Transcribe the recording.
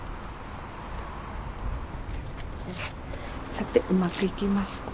さてうまくいきますか？